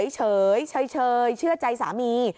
เฉยเชื่อใจสามี